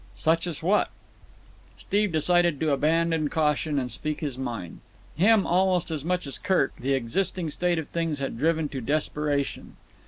"Such as what?" Steve decided to abandon caution and speak his mind. Him, almost as much as Kirk, the existing state of things had driven to desperation.